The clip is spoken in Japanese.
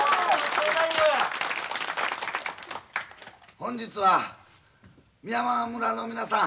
本日は美山村の皆さん